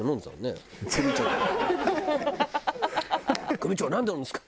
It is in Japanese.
「組長何飲んでるんですか？」